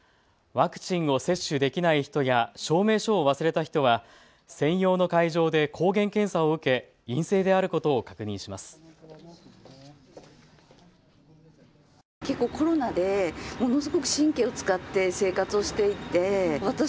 ワクチンを接種できない人や証明書を忘れた人は専用の会場で抗原検査を受け陰性であることを確認します。